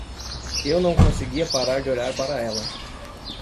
Eu não conseguia parar de olhar para ela.